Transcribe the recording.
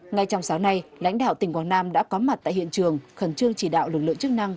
ngay trong sáng nay lãnh đạo tỉnh quảng nam đã có mặt tại hiện trường khẩn trương chỉ đạo lực lượng chức năng